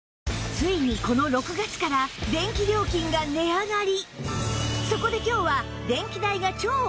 ついにこの６月から電気料金が値上がり